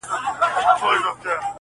او ظاهر ته به یې راوباسي